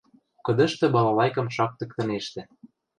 Кыдышты балалайкым шактыктынештӹ: